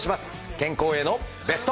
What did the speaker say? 健康へのベスト。